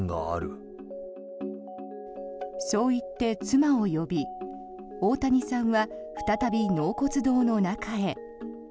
そう言って妻を呼び大谷さんは再び納骨堂の中へ。